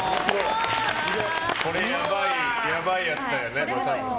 これやばいやつだよね、多分。